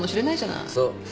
そう。